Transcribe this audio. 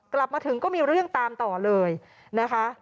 กลับมาถึงก็มีเรื่องตามต่อเลยนะคะ